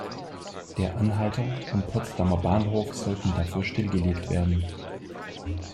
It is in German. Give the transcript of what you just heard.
Der Anhalter und Potsdamer Bahnhof sollten dafür stillgelegt werden.